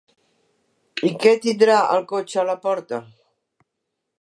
I que tindrà el cotxe a la porta.